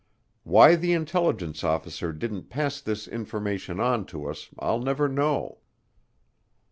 Why the intelligence officer didn't pass this information on to us I'll never know.